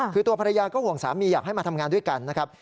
คือตัวภรรยาก็ห่วงสามีอยากให้มาทำงานด้วยกันนะครับ